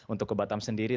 untuk ke batam sendiri